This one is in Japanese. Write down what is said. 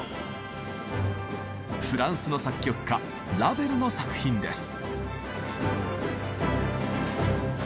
フランスの作曲家ラヴェルの作品です。